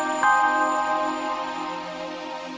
nggak ada yang bisa dikepung